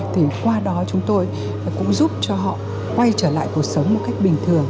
thì qua đó chúng tôi cũng giúp cho họ quay trở lại cuộc sống một cách bình thường